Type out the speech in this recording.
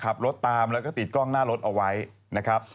ขับรถตามแล้วก็ติดกล้องหน้ารถเอาไว้นะครับ